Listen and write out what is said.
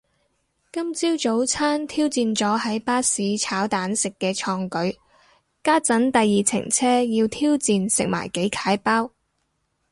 今朝早餐挑戰咗喺巴士炒蛋食嘅創舉，家陣第二程車要挑戰食埋幾楷包